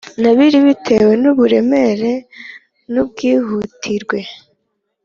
N abiri bitewe n uburemere n ubwihutirwe